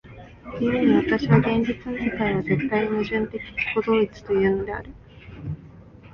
故に私は現実の世界は絶対矛盾的自己同一というのである。